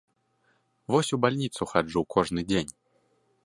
Вось у бальніцу хаджу кожны дзень.